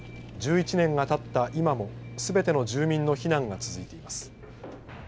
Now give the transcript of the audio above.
１１年がたった今もすべての住民の避難が続いています。